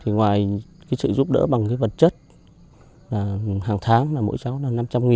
ngoài sự giúp đỡ bằng vật chất hàng tháng là mỗi cháu là năm trăm linh